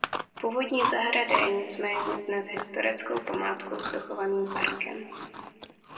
Původní zahrada je nicméně dnes historickou památkou s dochovaným parkem.